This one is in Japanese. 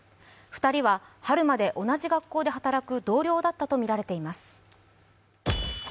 ２人は春まで同じ学校で働く同僚だったとみられています。